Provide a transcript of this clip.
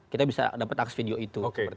kita bisa dapat akses video itu